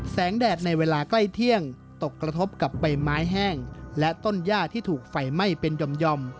แดดในเวลาใกล้เที่ยงตกกระทบกับใบไม้แห้งและต้นย่าที่ถูกไฟไหม้เป็นหย่อม